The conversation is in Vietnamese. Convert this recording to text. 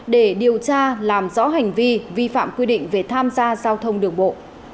để điều tra làm rõ hành vi vi phạm quy định về tham gia giao thông đường bộ